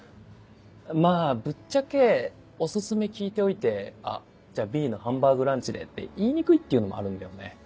まぁぶっちゃけおすすめ聞いておいて「あじゃあＢのハンバーグランチで」って言いにくいっていうのもあるんだよね。